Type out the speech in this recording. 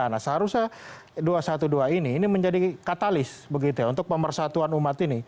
nah seharusnya dua ratus dua belas ini ini menjadi katalis begitu ya untuk pemersatuan umat ini